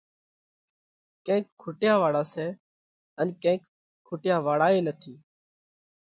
ڪينڪ کُٽيا واۯا سئہ ان ڪينڪ کُٽيا واۯا ئي نٿِي۔